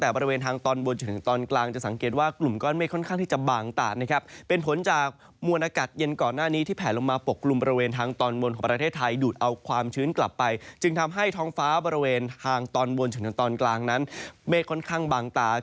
ตอนบนจนจนตอนกลางนั้นเมฆค่อนข้างบางตา